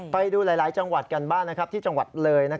ไปดูหลายจังหวัดกันบ้างที่จังหวัดเลย